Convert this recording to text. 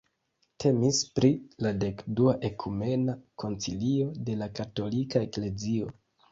Temis pri la dekdua ekumena koncilio de la katolika eklezio.